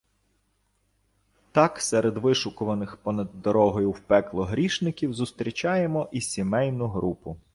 Так, серед вишикуваних понад дорогою в пекло грішників зустрічаємо і "сімейну групу".